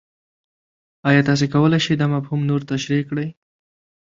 ایا تاسو کولی شئ دا مفهوم نور تشریح کړئ؟